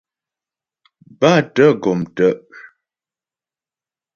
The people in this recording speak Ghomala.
Bátə̀ gɔm tə'.